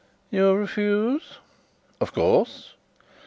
"You refuse?" "Of course."